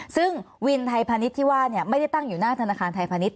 ซึ่งวินไทยพาณิชย์ที่ว่าไม่ได้ตั้งอยู่หน้าธนาคารไทยพาณิชย